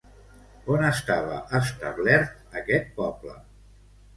On estava establert aquest poble?